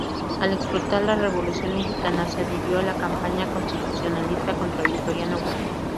Al explotar la Revolución Mexicana, se adhirió a la campaña constitucionalista contra Victoriano Huerta.